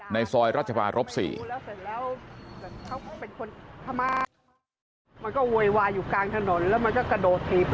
ในซอยราชบารบสี่